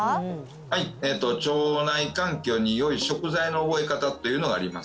はい腸内環境に良い食材の覚え方というのがあります